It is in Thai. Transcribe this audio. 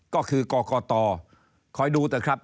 ก็คือกีคอยดูแต่ครับ